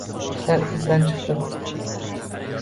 Ishlar izidan chiqdi.